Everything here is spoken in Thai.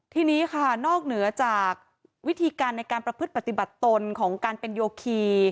ทีนี้ค่ะนอกเหนือจากวิธีการในการประพฤติปฏิบัติตนของการเป็นโยคี